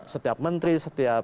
setiap menteri setiap